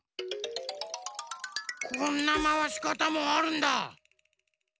こんなまわしかたもあるんだ。